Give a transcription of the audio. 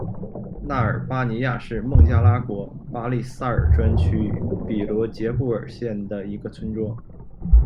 纳尔巴尼亚是孟加拉国巴里萨尔专区比罗杰布尔县的一个村庄。